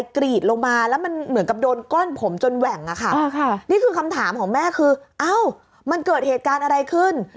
คำถามของว่ามันเกิดเหตุการณ์อะไรขึ้น